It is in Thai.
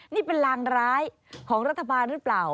นี่เป็นลางร้ายของรัฐบาลหรือเปล่า